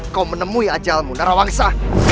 kau menemui ajalmu narawangsa